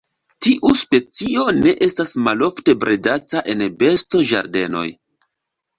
Tiu specio ne estas malofte bredata en bestoĝardenoj.